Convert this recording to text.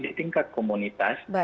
di tingkat komunitas